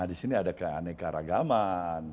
disini ada keanekaragaman